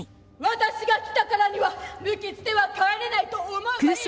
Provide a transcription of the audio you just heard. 私が来たからには無傷では帰れないと思うがいい！